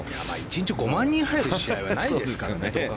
１日５万人入る試合はないですから。